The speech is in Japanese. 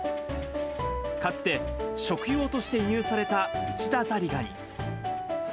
かつて、食用として輸入されたウチダザリガニ。